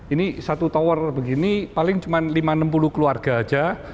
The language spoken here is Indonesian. ini satu tower begini paling cuma lima enam puluh keluarga aja